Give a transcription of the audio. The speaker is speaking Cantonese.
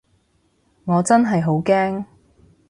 我真係好驚